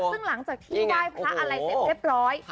ซึ่งหลังจากที่ไหว้พระอะไรเสร็จเรียบร้อย